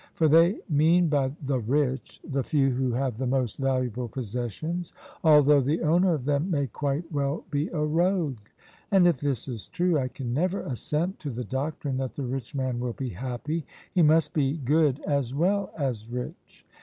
For they mean by 'the rich' the few who have the most valuable possessions, although the owner of them may quite well be a rogue. And if this is true, I can never assent to the doctrine that the rich man will be happy he must be good as well as rich.